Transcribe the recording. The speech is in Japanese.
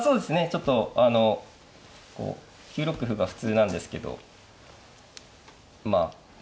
ちょっとあの９六歩が普通なんですけどまあ